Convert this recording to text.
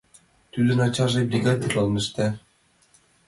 Тудын ачаже бригадирлан ышта.